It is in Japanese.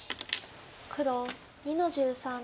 黒２の十三。